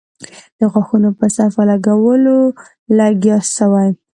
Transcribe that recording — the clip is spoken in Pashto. د غاښونو په صفا کولو لگيا سو.